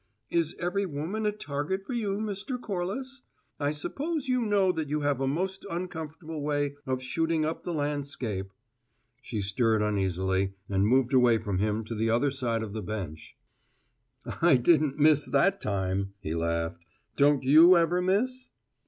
"Is every woman a target for you, Mr. Corliss? I suppose you know that you have a most uncomfortable way of shooting up the landscape." She stirred uneasily, and moved away from him to the other end of the bench. "I didn't miss that time," he laughed. "Don't you ever miss?"